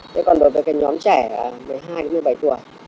thế còn đối với cái nhóm trẻ một mươi hai một mươi bảy tuổi